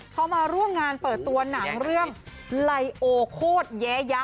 เขามาร่วมงานเปิดตัวหนังเรื่องไลโอโคตรแยะยะ